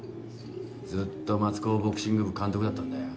ずっと松高ボクシング部監督だったんだよ。